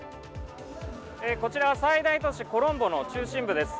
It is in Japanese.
こちら最大都市コロンボの中心部です。